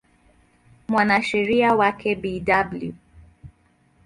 Mwanasheria wake Bw.